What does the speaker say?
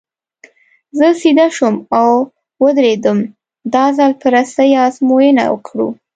زه سیده شوم او ودرېدم، دا ځل به رسۍ ازموینه کړو.